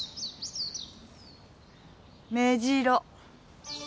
・メジロ。